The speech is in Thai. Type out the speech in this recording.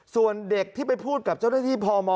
ส่วนเด็กที่ไปพูดกับเจ้าหน้าที่พม